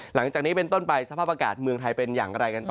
หลังจากนี้เป็นต้นไปสภาพอากาศเมืองไทยเป็นอย่างไรกันต่อ